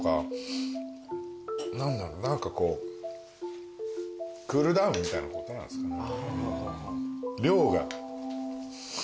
何かこうクールダウンみたいなことなんですかね。